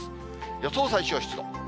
予想最小湿度。